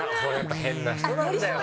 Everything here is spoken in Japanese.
変な人なんだよ。